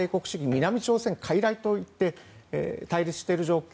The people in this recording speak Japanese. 南朝鮮、かいらいと言って対立している状況